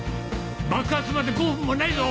爆発まで５分もないぞ？